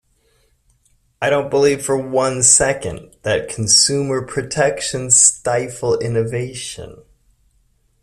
I don't believe for one second that consumer protections stifle innovation.